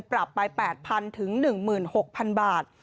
ปรับไป๘๐๐๐๑๖๐๐๐บาท